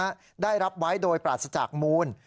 ได้รับไว้โดยปราศจากมูล